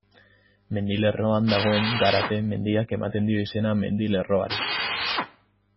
Mendilerroan dagoen Garate mendiak ematen dio izena mendilerroari.